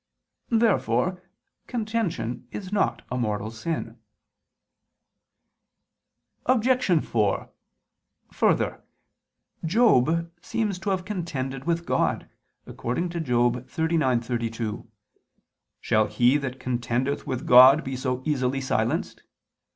Therefore contention is not a mortal sin. Obj. 4: Further, Job seems to have contended with God, according to Job 39:32: "Shall he that contendeth with God be so easily silenced?"